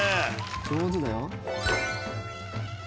上手だよ。